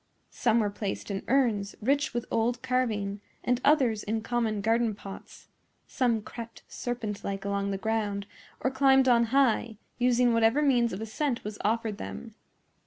Some were placed in urns, rich with old carving, and others in common garden pots; some crept serpent like along the ground or climbed on high, using whatever means of ascent was offered them.